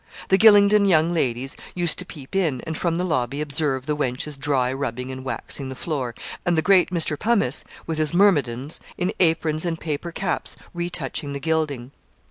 The Gylingden young ladies used to peep in, and from the lobby observe the wenches dry rubbing and waxing the floor, and the great Mr. Pummice, with his myrmidons, in aprons and paper caps, retouching the gilding.